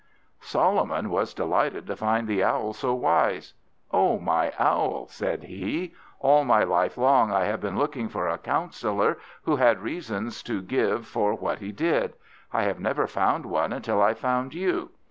Solomon was delighted to find the Owl so wise. "O my Owl," said he, "all my life long I have been looking for a counsellor who had reasons to give for what he did; I have never found one until I found you.